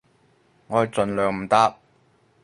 我係盡量唔搭